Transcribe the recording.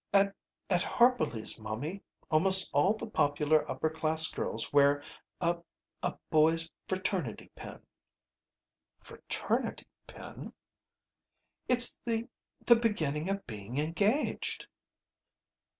"At at Harperly's, momie, almost all the popular upper class girls wear a a boy's fraternity pin." "Fraternity pin?" "It's the the beginning of being engaged."